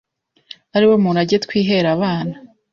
ariwo murage twihera abana